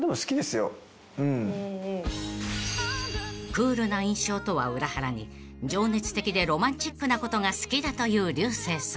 ［クールな印象とは裏腹に情熱的でロマンチックなことが好きだという竜星さん］